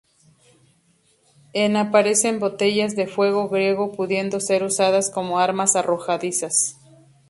En aparecen botellas de fuego griego pudiendo ser usadas como armas arrojadizas.